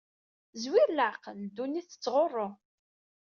Zwir leɛqel, ddunit tettɣurru!